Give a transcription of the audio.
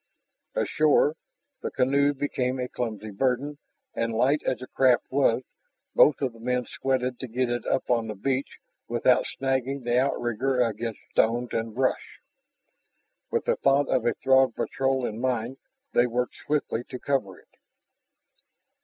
Ashore, the canoe became a clumsy burden and, light as the craft was, both of the men sweated to get it up on the beach without snagging the outrigger against stones and brush. With the thought of a Throg patrol in mind they worked swiftly to cover it.